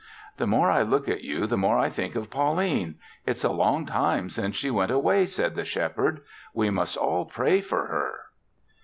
"The more I look at you the more I think of Pauline. It's a long time since she went away," said the Shepherd. "We must all pray for her."